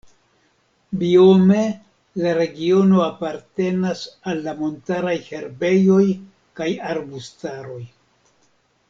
Biome la regiono apartenas al la montaraj herbejoj kaj arbustaroj.